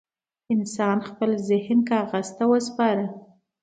انسان خپل ذهن کاغذ ته وسپاره.